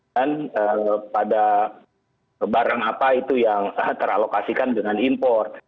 dan pada barang apa itu yang terlokasikan dengan impor